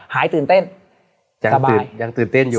หายตื่นเต้นสบายยังตื่นเต้นอยู่